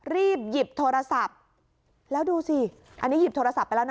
รีบหยิบโทรศัพท์แล้วดูสิอันนี้หยิบโทรศัพท์ไปแล้วนะ